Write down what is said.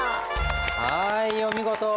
はいお見事！